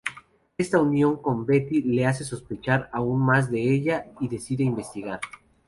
Esta unión con Betty le hace sospechar aún más de ella y decide investigar.